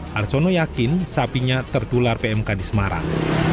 harsono yakin sapinya tertular pmk di semarang